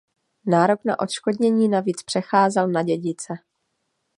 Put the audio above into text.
Nárok na odškodnění navíc přecházel na dědice.